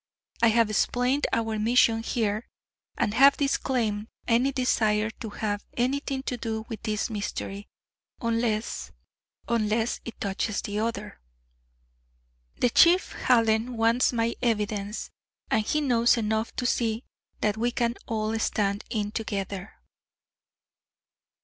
I have explained our mission here, and have disclaimed any desire to have anything to do with this mystery, unless unless it touches the other. The Chief, Hallen, wants my evidence, and he knows enough to see that we can all stand in together."